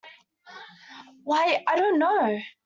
Why, I don’t know.